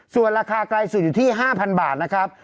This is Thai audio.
ส่วนราคาไกลสุดอยู่ที่๕๐๐บาทนะครับ